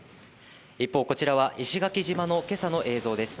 一方こちらは石垣島の今朝の映像です。